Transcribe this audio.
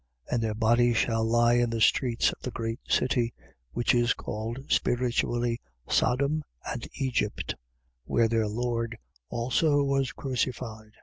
11:8. And their bodies shall lie in the streets of the great city which is called spiritually, Sodom and Egypt: where their Lord also was crucified.